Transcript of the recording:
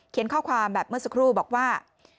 ข้อความแบบเมื่อสักครู่บอกว่า